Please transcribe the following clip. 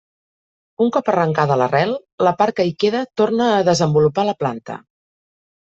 Un cop arrencada l'arrel la part que hi queda torna a desenvolupar la planta.